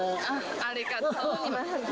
ありがとう。